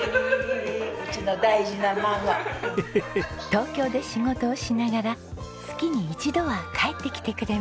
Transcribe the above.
東京で仕事をしながら月に一度は帰ってきてくれます。